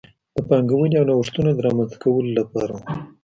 د پانګونې او نوښتونو د رامنځته کولو لپاره و.